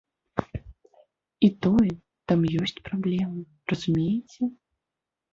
І тое, там ёсць праблемы, разумееце?